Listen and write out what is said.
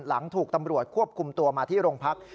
หลังถูกตำรวจควบคุมตัวมาที่โรงพัก